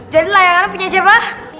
jadi layangannya punya siapa